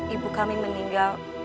ibu kami meninggal